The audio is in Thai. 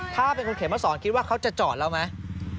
ถ้าเป็นคุณเขมมาสอนคิดว่าเขาจะจอดแล้วไหม